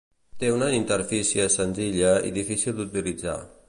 Té una interfície senzilla i difícil d'utilitzar.